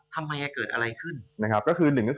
ทำไมเกิดอะไรขึ้น